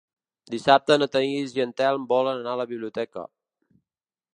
Dissabte na Thaís i en Telm volen anar a la biblioteca.